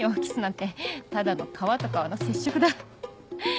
キスなんてただの皮と皮の接触だ！